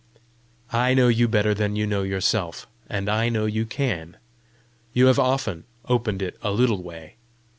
"I know you better than you know yourself, and I know you can. You have often opened it a little way.